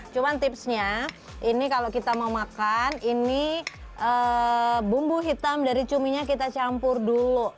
cuma tipsnya ini kalau kita mau makan ini bumbu hitam dari cuminya kita campur dulu